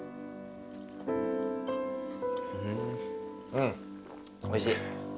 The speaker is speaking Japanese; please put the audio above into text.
うんおいしい。